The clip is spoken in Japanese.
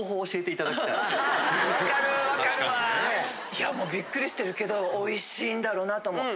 いやもうびっくりしてるけどおいしいんだろうなと思う。